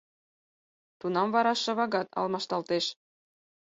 Тунам вара шывагат алмашталтеш.